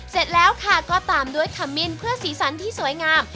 เสร็จแล้วค่ะก็ตามด้วยขมิ้นเพื่อสีสันที่สวยงาม